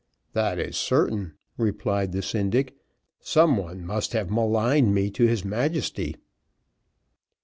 "That is certain," replied the syndic, "some one must have maligned me to his Majesty."